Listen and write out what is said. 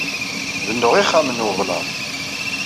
Bennuɣ ixxamen n weblaḍ.